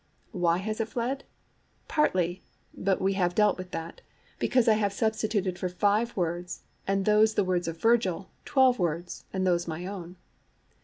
Why has it fled? Partly (but we have dealt with that) because I have substituted for five words, and those the words of Virgil, twelve words, and those my own.